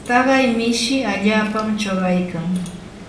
taqay mishi allaapam chuqaykan.